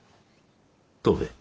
藤兵衛。